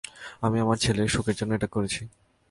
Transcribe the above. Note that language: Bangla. আমি আমার ছেলের সুখের জন্য এটা করছি।